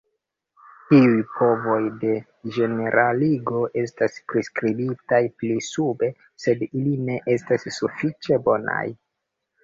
Iuj provoj de ĝeneraligo estas priskribitaj pli sube, sed ili ne estas sufiĉe bonaj.